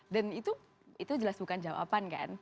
dan itu itu jelas bukan jawaban kan